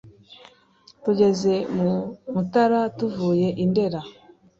tugeze mu mutara ,tuvuye i ndera